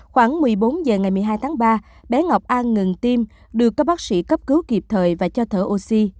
khoảng một mươi bốn h ngày một mươi hai tháng ba bé ngọc an ngừng tim được các bác sĩ cấp cứu kịp thời và cho thở oxy